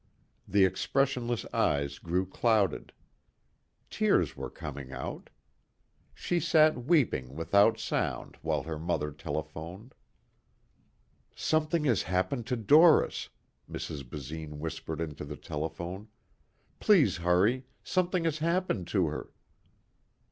The expressionless eyes grew clouded. Tears were coming out. She sat weeping without sound while her mother telephoned. "Something has happened to Doris," Mrs. Basine whispered into the telephone, "please hurry, something has happened to her...."